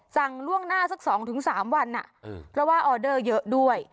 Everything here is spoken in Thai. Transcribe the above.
สั่งล่วงหน้า๐๓วันเราว่าออร์เดอร์เยอะด้วย